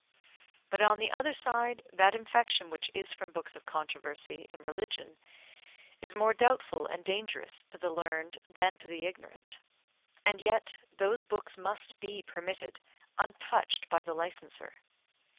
But on the other side that infection which is from books of controversy in religion is more doubtful and dangerous to the learned than to the ignorant; and yet those books must be permitted untouched by the licenser.